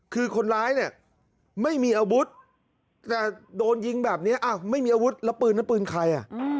คือคนร้ายเนี่ยไม่มีอาวุธแต่โดนยิงแบบนี้ไม่มีอาวุธแล้วปืนนั้นปืนใครอ่ะ